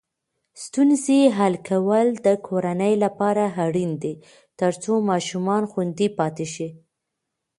ستونزې حل کول د کورنۍ لپاره اړین دي ترڅو ماشومان خوندي پاتې شي.